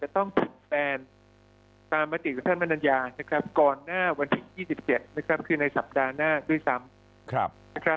ตามมติกับท่านมนุญาก่อนหน้าวันที่๒๗คือในสัปดาห์หน้าด้วยซ้ำ